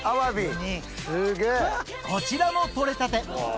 こちらも取れたて！